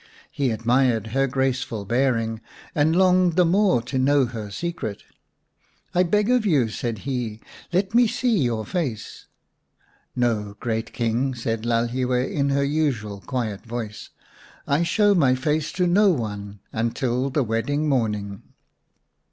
He admired her graceful bearing, and longed the more to know her secret. " I beg of you," said he, " let me see your face." " No, great King," said Lalhiwe in her usual quiet voice ;" I show my face to no one until the wedding morning."